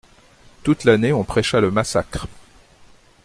Toute l'année on prêcha le massacre.